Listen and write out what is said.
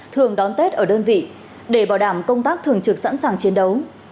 thường đón tết ở đơn vị để bảo đảm công tác thường trực sẵn sàng chiến đấu